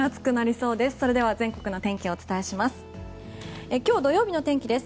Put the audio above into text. それでは全国の天気をお伝えします。